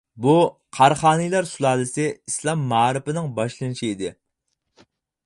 بۇ — قاراخانىيلار سۇلالىسى ئىسلام مائارىپىنىڭ باشلىنىشى ئىدى.